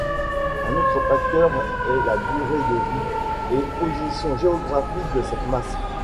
Un autre facteur est la durée de vie, et position géographique de cette masse.